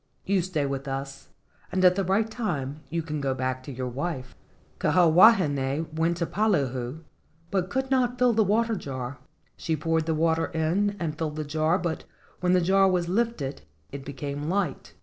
You stay with us and at the right time you can go back to your wife." Kiha wahine went to Poliahu, but could not fill the water jar. She poured the water in and filled the jar, but when the jar was lifted it became light.